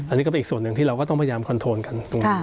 อันนี้ก็เป็นอีกส่วนหนึ่งที่เราก็ต้องพยายามคอนโทนกันตรงนี้